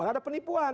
bahkan ada penipuan